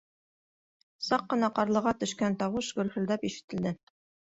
Саҡ ҡына ҡарлыға төшкән тауыш гөрһөлдәп ишетелде: